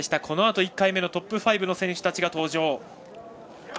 このあと１回目のトップ５の選手たちが登場。